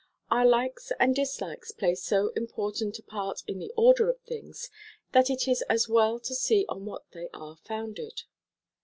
Our likes and dislikes play so important a part in the order of things that it is well to see on what they are founded.